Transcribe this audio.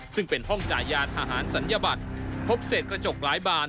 ซึ่งเป็นห้องจ่ายยานทหารศัลยบัตรพบเศษกระจกหลายบาน